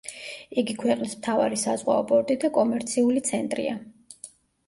იგი ქვეყნის მთავარი საზღვაო პორტი და კომერციული ცენტრია.